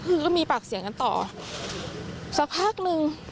คือก็มีปากเสียงกันต่อสักพักหนึ่ง